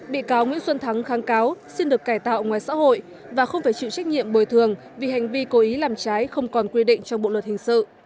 bị cáo nguyễn xuân thắng kháng cáo xin được cải tạo ngoài xã hội và không phải chịu trách nhiệm bồi thường vì hành vi cố ý làm trái không còn quy định trong bộ luật hình sự